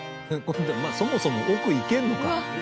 そもそも奥行けるのか？